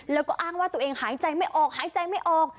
แล้วก็อ้างว่าตัวเองหายใจไม่ออกหายใจไม่ออก